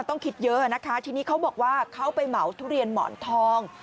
ต้องคิดเยอะนะคะทีนี้เขาบอกว่าเขาไปเหมาทุเรียนหมอนทอง